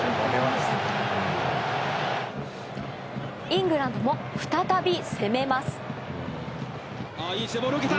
イングランドも再び攻めます。